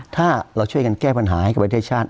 ถ้าเราช่วยกันแก้ปัญหาให้กับประเทศชาติ